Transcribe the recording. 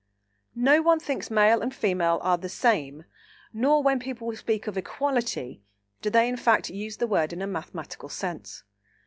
No one thinks Male and Female are "the same," nor when people speak of "equality" do they in fact use the word in a mathematical sense.